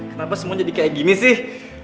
kenapa semua jadi kayak gini sih